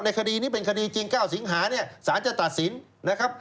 ในคดีนี้เป็นคดีจริงเก้าสิงหาสาญเจ้าตัดสินนะครับ